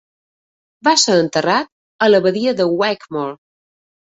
Va ser enterrat a l'Abadia de Wigmore.